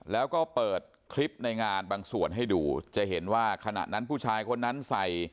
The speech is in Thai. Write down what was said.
แล้วก็เปิดคลิปในงานบางส่วนให้ดูจะเห็นว่าขณะนั้นผู้ชายคนนั้นใส่